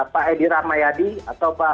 pak edi rahmayadi atau pak